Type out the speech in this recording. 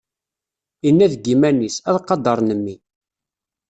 Inna deg yiman-is: Ad qadṛen mmi.